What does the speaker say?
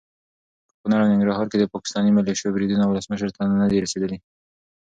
په کنړ او ننګرهار کې د پاکستاني ملیشو بریدونه ولسمشر ته ندي رسېدلي.